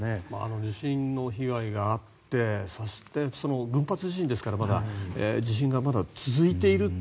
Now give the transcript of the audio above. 地震の被害があってそして群発地震ですから地震がまだ続いている。